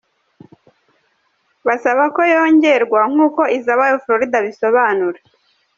Basaba ko yongerwa; nkuko Izabayo Florida abisobanura.